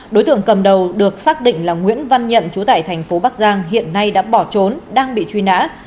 đối tượng cầm đầu được xác định là nguyễn văn nhận chú tại thành phố bắc giang hiện nay đã bỏ trốn đang bị truy nã